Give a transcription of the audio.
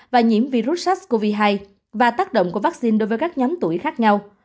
và nhiễm virus sars cov hai và tác động của vaccine đối với các nhóm tuổi khác nhau